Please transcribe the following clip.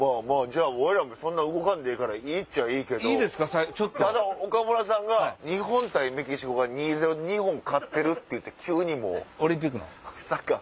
俺らもそんな動かんでええからいいっちゃいいけど岡村さんが「日本対メキシコが２対０で日本勝ってる」って急にもうサッカー。